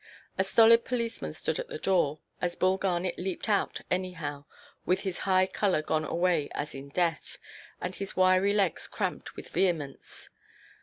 A stolid policeman stood at the door, as Bull Garnet leaped out anyhow, with his high colour gone away as in death, and his wiry legs cramped with vehemence.